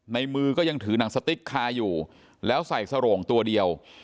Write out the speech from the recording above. มือก็ยังถือหนังสติ๊กคาอยู่แล้วใส่สโรงตัวเดียว